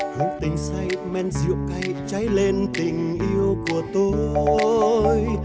hương tình say men rượu cay cháy lên tình yêu của tôi